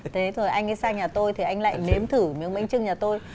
thế rồi anh ấy sang nhà tôi thì anh lại nếm thử miếng bánh trưng nhà tôi